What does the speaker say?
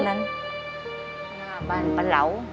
หน้าบ้านปะเหลา